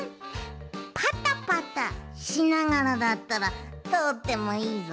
パタパタしながらだったらとおってもいいぞ。